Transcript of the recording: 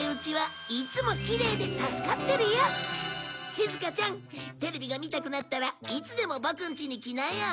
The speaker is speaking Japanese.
しずかちゃんテレビが見たくなったらいつでもボクんちに来なよ。